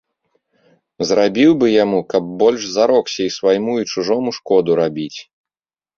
Зрабіў бы яму, каб больш зарокся і свайму і чужому шкоду рабіць.